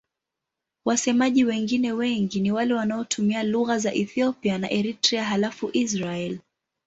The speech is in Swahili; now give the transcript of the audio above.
Wasemaji wengine wengi ni wale wanaotumia lugha za Ethiopia na Eritrea halafu Israel.